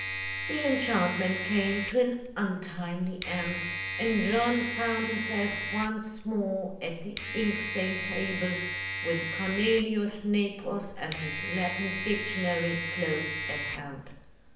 The enchantment came to an untimely end, and John found himself once more at the ink stained table, with Cornelius Nepos and his Latin dictionary close at hand.